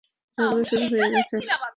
ঝগড়া শুরু হয়ে গেছে।